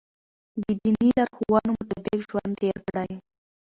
د دیني لارښوونو مطابق ژوند تېر کړئ.